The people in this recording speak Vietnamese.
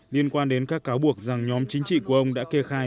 liên quan đến các cáo buộc rằng nhóm chính trị của ông đã kê khai